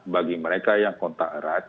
bagi mereka yang kontak erat